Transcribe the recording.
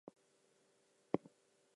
We hunted the wren for Jack of the Can.